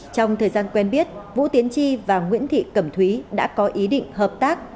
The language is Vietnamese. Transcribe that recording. trong thời gian quen biết vũ tiến tri và nguyễn thị cẩm thúy đã có ý định hợp tác